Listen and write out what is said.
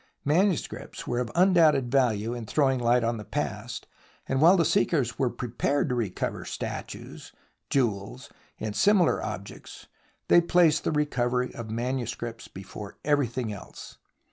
Manuscripts were of undoubted value in throwing light on the past, and while the seekers were prepared to recover statues, jewels and similar objects, they placed the recovery of manuscripts before everything else.